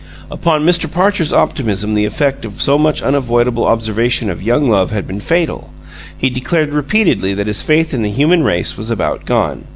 Upon Mr. Parcher's optimism the effect of so much unavoidable observation of young love had been fatal; he declared repeatedly that his faith in the human race was about gone.